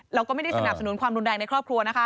เราก็ไม่ได้สนับสนุนความรุนแรงในครอบครัวนะคะ